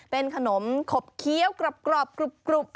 เป็นขนมขบเคี้ยวกรอบกรุบ